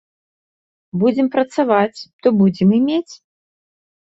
Будзем працаваць, то будзем і мець.